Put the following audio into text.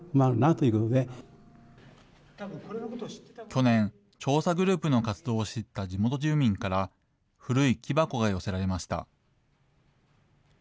去年、調査グループの活動を知った地元住民から、古い木箱が寄せられました。